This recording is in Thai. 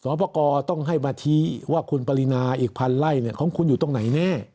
ประกอบต้องให้มาชี้ว่าคุณปรินาอีกพันไร่ของคุณอยู่ตรงไหนแน่